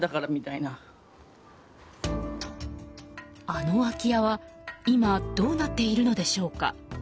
あの空き家は今どうなっているのでしょうか。